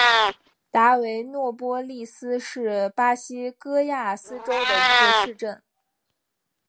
达维诺波利斯是巴西戈亚斯州的一个市镇。